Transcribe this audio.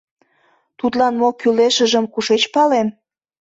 Тудлан мо кӱлешыжым кушеч палем?